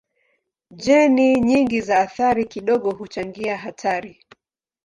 Jeni nyingi za athari kidogo huchangia hatari.